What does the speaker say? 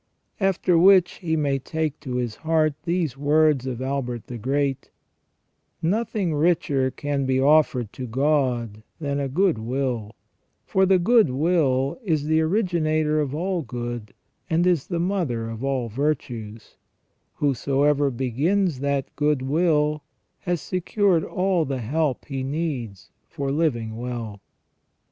After which he WHY MAN WAS NOT CREATED PERFECT. 263 may take to his heart these words of Albert the Great :" Nothing richer can be offered to God than a good will ; for the good will is the originator of all good and is the mother of all virtues : who soever begins that good will has secured all the help he needs for living well